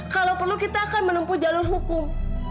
kalau perlu kita akan menempuh jalur hukum